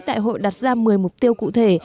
đại hội đặt ra một mươi mục tiêu cụ thể